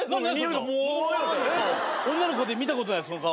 女の子で見たことないその顔。